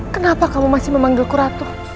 kenapa kamu masih memanggilku ratu